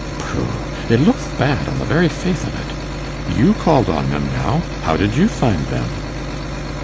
Pooh! it lookth bad on the very fathe of it. You called on them, now; how did you find them?